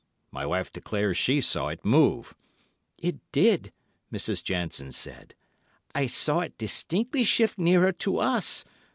My wife declares she saw it move." "It did," Mrs. Jansen said. "I saw it distinctly shift nearer to us.